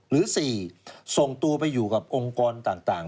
หรือ๔ส่งตัวไปอยู่กับองค์กรต่าง